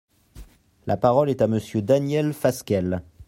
La parole est à Monsieur Daniel Fasquelle.